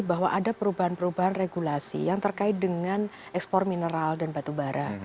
jadi bahwa ada perubahan perubahan regulasi yang terkait dengan ekspor mineral dan batubara